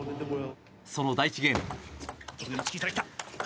その第１ゲーム。